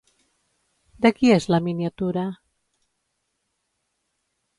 De qui és la miniatura?